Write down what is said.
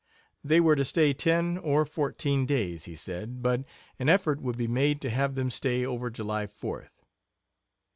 They were to stay ten or fourteen days, he said, but an effort would be made to have them stay over July 4th.